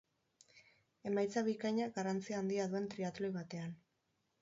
Emaitza bikaina garrantzia handia duen triatloi batean.